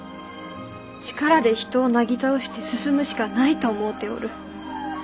力で人をなぎ倒して進むしかないと思うておる。